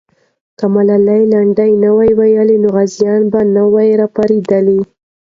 که ملالۍ لنډۍ نه وای ویلې، نو غازیان به نه وای راپارېدلي.